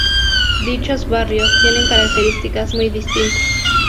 Dichos barrios tienen características muy distintas.